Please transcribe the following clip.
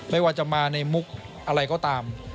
ไม่ว่าจะมาในมุกอะไรก็ตาม